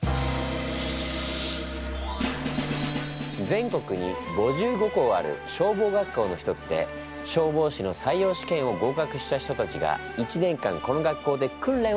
全国に５５校ある消防学校の一つで消防士の採用試験を合格した人たちが１年間この学校で訓練を受けるの。